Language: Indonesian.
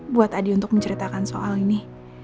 buat adi untuk menceritakan soal ini